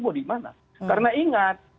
mau dimana karena ingat